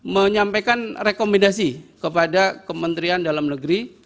menyampaikan rekomendasi kepada kementerian dalam negeri